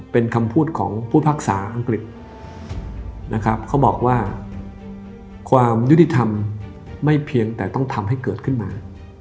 เป็นคำพูดของผู้พักษาอังกฤษนะครับเขาบอกว่าความยุติธรรมไม่เพียงแต่ต้องทำให้เกิดขึ้นมา